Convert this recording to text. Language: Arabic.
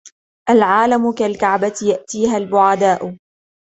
الْعَالِمُ كَالْكَعْبَةِ يَأْتِيهَا الْبُعَدَاءُ